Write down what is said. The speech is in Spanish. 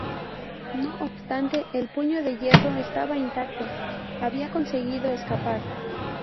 No obstante, el Puño de Hierro estaba intacto, había conseguido escapar.